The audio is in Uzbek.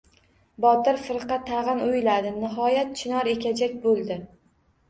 Botir firqa tag‘in o‘yladi. Nihoyat, chinor ekajak bo‘ldi.